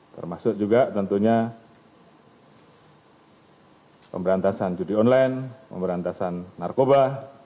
termasuk juga tentunya pemberantasan judi online pemberantasan narkoba